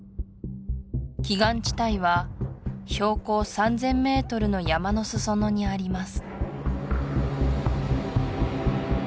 奇岩地帯は標高３０００ｍの山の裾野にあります